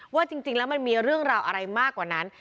ว่าจริงแล้วมันมีเรื่องราวอะไรมากกว่านั้น